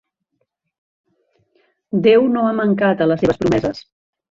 Déu no ha mancat a les seves promeses.